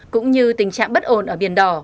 cũng như tình trạng bất ổn ở biển đỏ